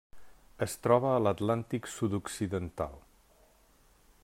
Es troba a l'Atlàntic sud-occidental.